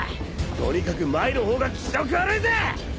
とにかく前の方が気色悪いぜ！